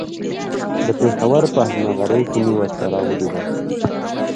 د پېښور په هشنغرۍ کې مې ورسره وليدل.